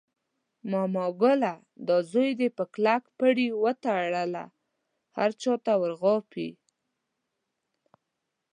ماما ګله دا زوی دې په کلک پړي وتړله، هر چاته ور غاپي.